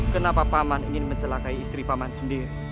kenapa paman ingin mencelakai istri paman sendiri